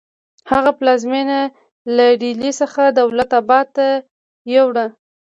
هغه پلازمینه له ډیلي څخه دولت اباد ته یوړه.